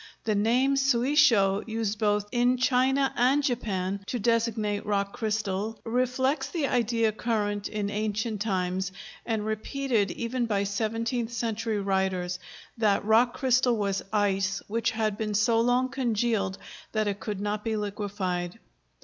The name suisho, used both in China and Japan to designate rock crystal, reflects the idea current in ancient times, and repeated even by seventeenth century writers, that rock crystal was ice which had been so long congealed that it could not be liquefied.